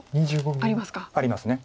あります。